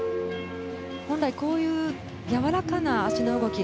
本来こういうやわらかな脚の動き